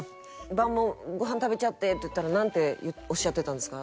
「晩もご飯食べちゃって」って言ったらなんておっしゃってたんですか？